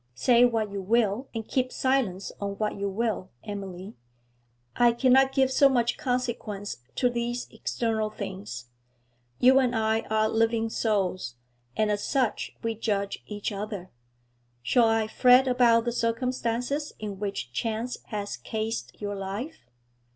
'Say what you will, and keep silence on what you will, Emily. I cannot give so much consequence to these external things. You and I are living souls, and as such we judge each other. Shall I fret about the circumstances in which chance has cased your life?